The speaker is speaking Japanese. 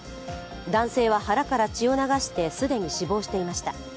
男性は腹から血を流して既に死亡していました。